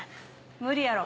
無理やろ。